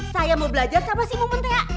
saya mau belajar sama si mumun teh ya